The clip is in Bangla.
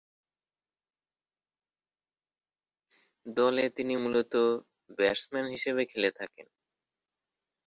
দলে তিনি মূলতঃ ব্যাটসম্যান হিসেবে খেলে থাকেন।